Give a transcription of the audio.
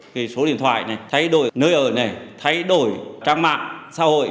cái số điện thoại này thay đổi nơi ở này thay đổi trang mạng xã hội